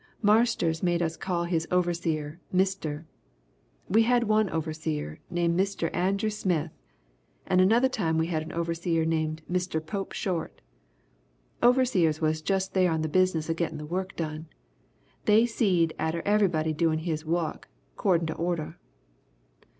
Marster made us call his overseer 'Mister.' We had one overseer named Mr. Andrew Smith and another time we had a overseer named Mr. Pope Short. Overseers was jus' there on the business of gettin' the work done they seed atter everybody doin' his wuk 'cordin' to order.